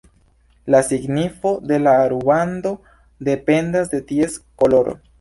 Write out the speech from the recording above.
La signifo de la rubando dependas de ties koloro.